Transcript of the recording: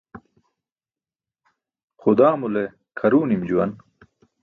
Xudaamule kʰaruw nim juwan.